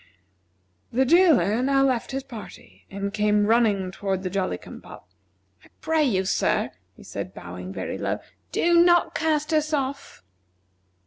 The jailer now left his party and came running toward the Jolly cum pop. "I pray you, sir," he said, bowing very low, "do not cast us off."